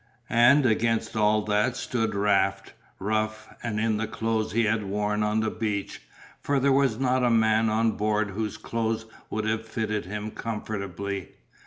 And against all that stood Raft, rough and in the clothes he had worn on the beach, for there was not a man on board whose clothes would have fitted him comfortably.